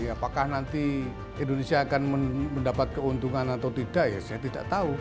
apakah nanti indonesia akan mendapat keuntungan atau tidak ya saya tidak tahu